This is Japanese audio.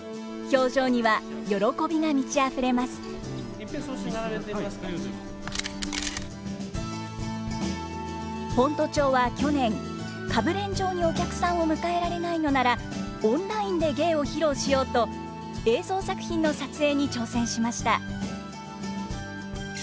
先斗町は去年歌舞練場にお客さんを迎えられないのならオンラインで芸を披露しようと映像作品の撮影に挑戦しました。